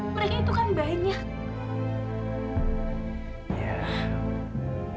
mereka itu kan banyak